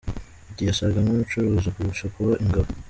Uti “yasaga nkumucuruzi kurusha kuba Ingabo”!